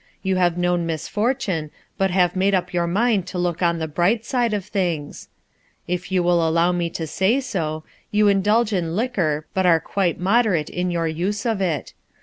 You have known misfortune but have made up your mind to look on the bright side of things. If you will allow me to say so, you indulge in liquor but are quite moderate in your use of it.